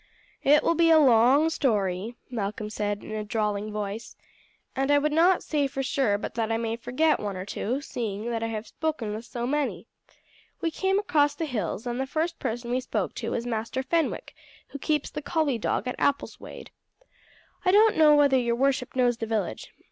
"It will be a long story," Malcolm said in a drawling voice, "and I would not say for sure but that I may forget one or two, seeing that I have spoken with so many. We came across the hills, and the first person we spoke to was Master Fenwick, who keeps the Collie Dog at Appleswade. I don't know whether your worship knows the village.